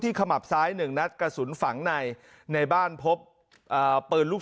ที่ขมับซ้ายหนึ่งนัดกระสุนฝังในในบ้านพบอ่าเปลือลูก